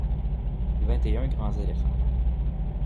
Vingt et un grands éléphants.